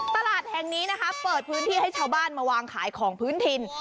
ตลาดแห่งนี้นะคะเปิดพื้นที่ให้ชาวบ้านมาวางขายของพื้นถิ่น